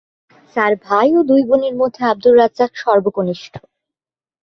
চার ভাই ও দুই বোনের মধ্যে আব্দুর রাজ্জাক সর্বকনিষ্ঠ।